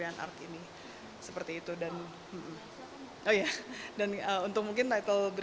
jgn mnilai sentensi other ruang disegel air estoy